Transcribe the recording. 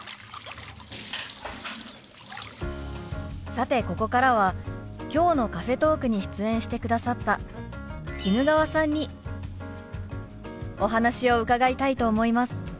さてここからはきょうのカフェトークに出演してくださった衣川さんにお話を伺いたいと思います。